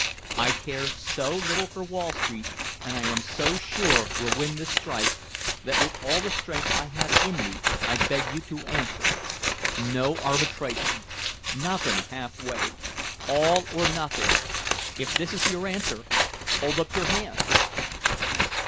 I care so little for Wall Street and I am so sure we'll win this strike, that with all the strength I have in me I beg you to answer, 'No arbitration, nothing half way! All or nothing!' If this is your answer, hold up your hands!"